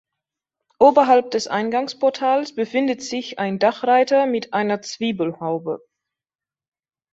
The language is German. Oberhalb des Eingangsportals befindet sich ein Dachreiter mit einer Zwiebelhaube.